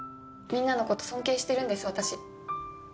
みんなの事尊敬してるんです私。